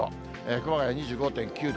熊谷２５．９度。